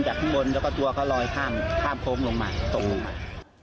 พิกัดที่บนแล้วก็ตัวก็ลอยข้าบคลมลงมาสกลงมา